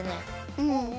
うん。